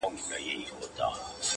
پر تېر سوى دئ ناورين د زورورو.!